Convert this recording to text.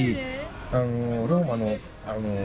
あのローマの野菜。